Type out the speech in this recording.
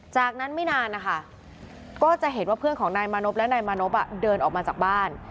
จากนั้นไม่นานนะคะก็จะเห็นว่าเพื่อนของนายมานพและนายมานพเดินออกมาจากบ้าน